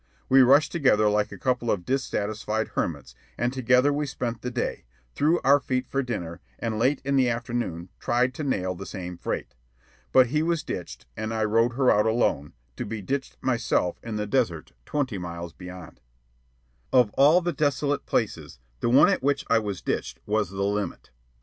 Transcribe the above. We rushed together like a couple of dissatisfied hermits, and together we spent the day, threw our feet for dinner, and late in the afternoon tried to "nail" the same freight. But he was ditched, and I rode her out alone, to be ditched myself in the desert twenty miles beyond. Of all desolate places, the one at which I was ditched was the limit.